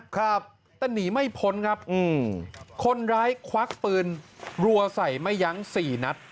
ครับแต่หนีไม่พ้นครับคนร้ายควักปืนรัวใส่ไม่ยั้งสี่นัด